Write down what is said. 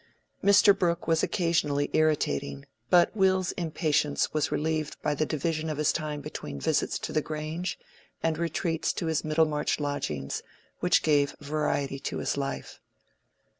Mr. Brooke was occasionally irritating; but Will's impatience was relieved by the division of his time between visits to the Grange and retreats to his Middlemarch lodgings, which gave variety to his life.